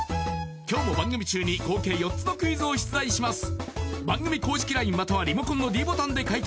今日の番組中に合計４つのクイズを出題します